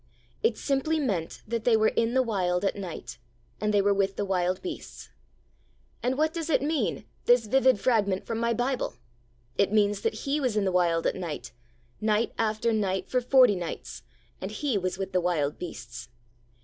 It simply meant that they were in the Wild at night, and they were with the wild beasts. And what does it mean, this vivid fragment from my Bible? It means that He was in the Wild at night, night after night for forty nights, and He was with the wild beasts.